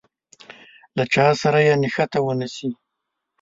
له چا سره يې نښته ونه شي.